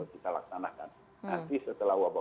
kita laksanakan nanti setelah wabah